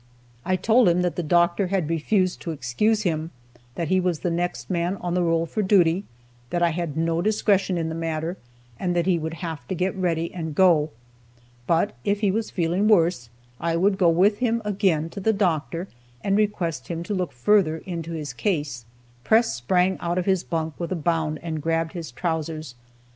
I told him that the doctor had refused to excuse him, that he was the next man on the roll for duty, that I had no discretion in the matter, and he would have to get ready and go. But, if he was feeling worse, I would go with him again to the doctor, and request him to look further into his case. Press sprang out of his bunk with a bound, and grabbed his trousers.